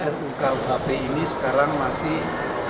rukuhp ini sekarang masih